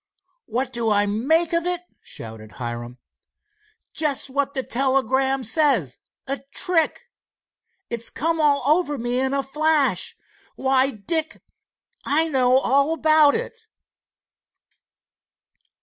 "What do I make of it?" shouted Hiram. "Just what the telegram says a trick! It's come all over me in a flash. Why, Dick, I know all about it."